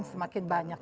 dan semakin banyak